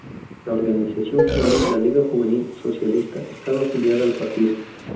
La organización juvenil, la Liga Juvenil Socialista, estaba afiliada al partido.